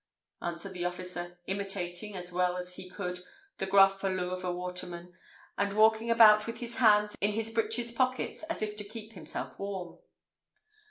answered the officer, imitating, as well as he could, the gruff halloo of a waterman, and walking about with his hands in his breeches pockets, as if to keep himself warm.